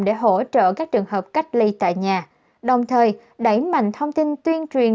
để hỗ trợ các trường hợp cách ly tại nhà đồng thời đẩy mạnh thông tin tuyên truyền